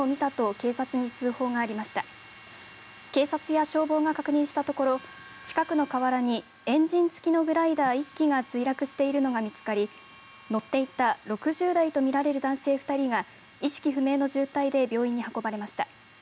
警察や消防が確認したところ近くの河原にエンジン付きのグライダー１機が墜落しているのが見つかり乗っていた６０代とみられる男性２人が意識不明の重体で病院に運ばれました。